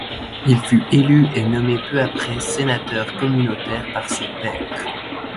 Il fut élu, et nommé peu après sénateur communautaire par ses pairs.